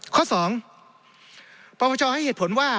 ข้อสองประวัติศาสตร์ให้เหตุผลว่า